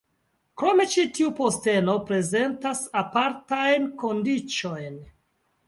Krome ĉi tiu posteno prezentas apartajn kondiĉojn.